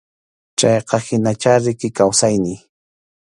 Chayqa hinachá riki kawsayniy.